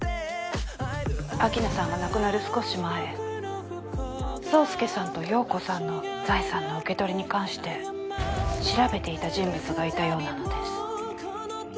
秋菜さんが亡くなる少し前宗介さんと葉子さんの財産の受け取りに関して調べていた人物がいたようなのです。